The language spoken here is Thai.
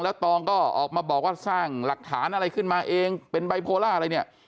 แล้วตองก็ออกมาบอกว่าสร้างหลักฐานอะไรขึ้นมาเองเป็นไบโพล่าอะไรเนี่ย